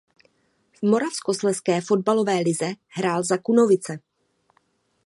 V Moravskoslezské fotbalové lize hrál za Kunovice.